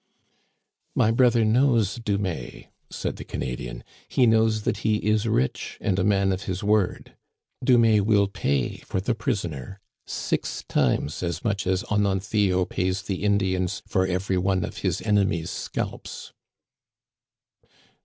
"My brother knows Dumais," said the Canadian. "He knows that he is rich and a man of his word. Dumais will pay for the prisoner six times as much as Ononthio pays the Indians for every one of his enemies' scalps."